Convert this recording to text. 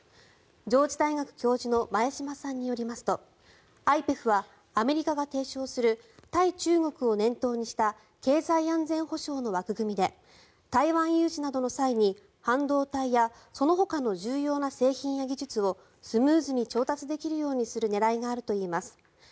上智大学教授の前嶋さんによりますとＩＰＥＦはアメリカが提唱する対中国を念頭にした経済安全保障の枠組みで台湾有事などの際に半導体やそのほかの重要な製品や技術をスムーズに調達できるようにする狙いがあるといいます。